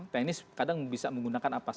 teknis kadang bisa menggunakan apa